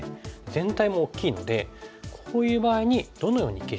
全体も大きいのでこういう場合にどのように消したらいいか。